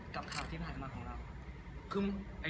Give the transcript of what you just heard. กับคราวที่ผ่านมาของเรา